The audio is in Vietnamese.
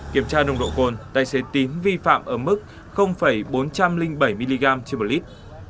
kiểm tra nồng độ cồn tài xế tín vi phạm ở mức bốn trăm linh bảy mg trên một lít